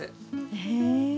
へえ。